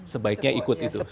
sebaiknya ikut itu